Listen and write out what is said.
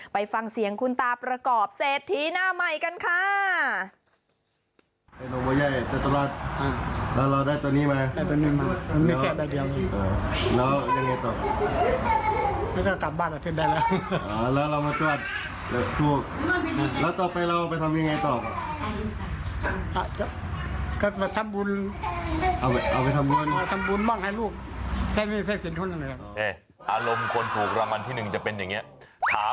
ไปฟังเสียงคุณตาประกอบเศรษฐีหน้าใหม่กันค่ะ